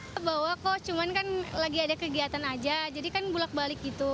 kebawa kok cuma kan lagi ada kegiatan aja jadi kan bulat balik gitu